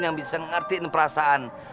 yang bisa ngerti perasaan